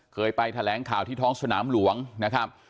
เคยไปแถลงข่าวที่ท้องสนามหลวงนะครับ